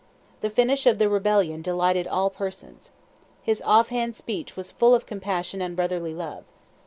The finish of the Rebellion delighted all persons. His offhand speech was full of compassion and brotherly love.